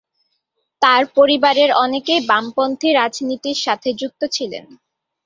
তার পরিবারের অনেকেই বামপন্থী রাজনীতির সাথে যুক্ত ছিলেন।